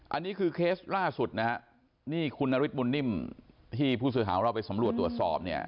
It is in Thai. อันนี้คือเคสล่าสุดนะฮะนี่คุณนฤทธบุญนิ่มที่ผู้สื่อข่าวของเราไปสำรวจตรวจสอบเนี่ย